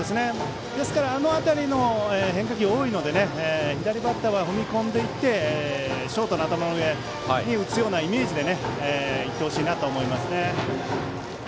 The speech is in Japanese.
あの辺りの変化球が多いので左バッターは踏み込んでいってショートの頭の上に打つようなイメージでいってほしいと思います。